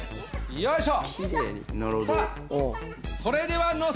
よいしょ。